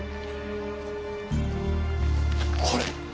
これ。